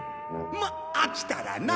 まあ飽きたらな。